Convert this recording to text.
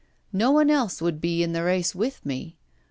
No one else would be in the race with me.